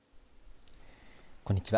こんにちは。